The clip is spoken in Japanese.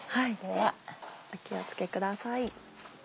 お気を付けください。